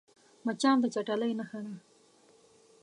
مچان د چټلۍ نښه ده